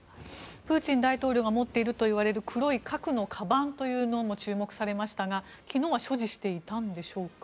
プーチン大統領が持っているといわれる黒い核のかばんが注目されましたが、昨日は所持していたんでしょうか？